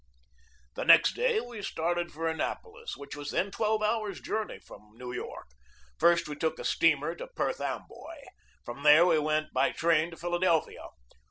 The next day we started for Annapolis, which was then twelve hours' journey from New York. First we took a steamer to Perth Amboy. From there we went by train to Philadelphia.